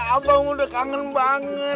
abang udah kangen banget